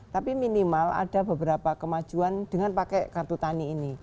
tapi minimal ada beberapa kemajuan dengan pakai kartu tani ini